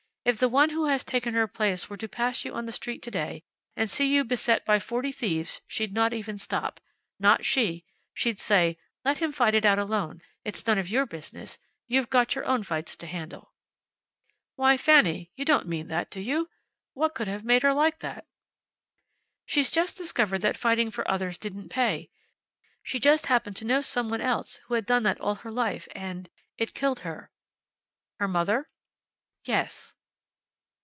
If the one who has taken her place were to pass you on the street today, and see you beset by forty thieves, she'd not even stop. Not she. She'd say, `Let him fight it out alone. It's none of your business. You've got your own fights to handle.'" "Why Fanny. You don't mean that, do you? What could have made her like that?" "She just discovered that fighting for others didn't pay. She just happened to know some one else who had done that all her life and it killed her." "Her mother?" "Yes."